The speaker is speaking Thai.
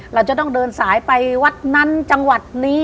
เราจะต้องเดินสายไปวัดนั้นจังหวัดนี้